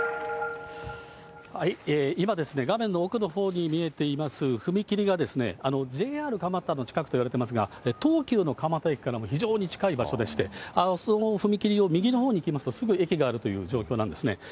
今、画面の奥のほうに見えています踏切が、ＪＲ蒲田の近くといわれてますが、とうきゅうの蒲田駅からも非常に近い場所でして、その踏切を右のほうに行きますと、すぐ駅があるという状況なんですね。